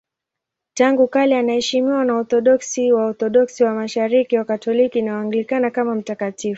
Tangu kale anaheshimiwa na Waorthodoksi, Waorthodoksi wa Mashariki, Wakatoliki na Waanglikana kama mtakatifu.